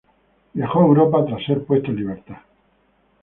Viajó a Europa tras ser puesto en libertad.